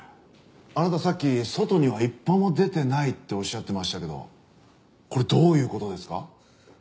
あなたさっき外には一歩も出てないっておっしゃってましたけどこれどういう事ですか？